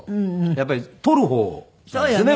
やっぱり撮る方なんですね